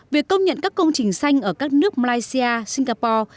việc công nhận các công trình xanh ở các nước malaysia singapore